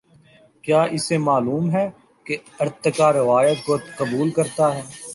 کیا اسے معلوم ہے کہ ارتقا روایت کو قبول کرتا ہے۔